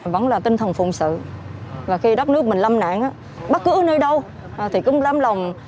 vẫn là tinh thần phụng sự và khi đất nước mình lâm nạn bất cứ nơi đâu thì cũng lam lòng